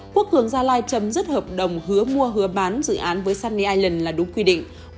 quốc cường gia lai chấm dứt hợp đồng hứa mua hứa bán dự án với sunny ireland là đúng quy định